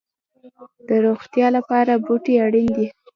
د روغتیا لپاره بوټي اړین دي